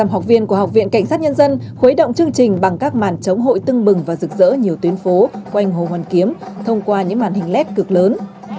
một trăm linh học viên của học viện cảnh sát nhân dân khuấy động chương trình bằng các màn chống hội tưng bừng và rực rỡ nhiều tuyến phố quanh hồ hoàn kiếm thông qua những màn hình led cực lớn